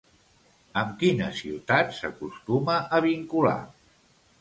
Amb quina ciutat s'acostuma a vincular?